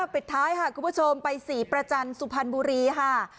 ปิดท้ายค่ะคุณผู้ชมไปศรีประจันทร์สุพรรณบุรีค่ะ